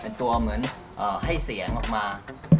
เป็นตัวเหมือนให้เสียงออกมา